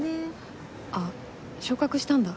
あっ昇格したんだ？